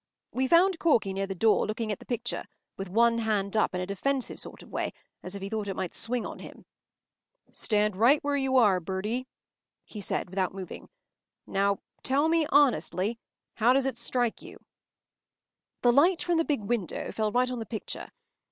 We found Corky near the door, looking at the picture, with one hand up in a defensive sort of way, as if he thought it might swing on him. “Stand right where you are, Bertie,” he said, without moving. “Now, tell me honestly, how does it strike you?” The light from the big window fell right on the picture.